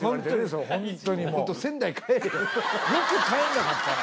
よく帰らなかったな。